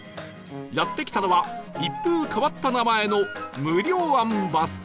やって来たのは一風変わった名前の無料庵バス停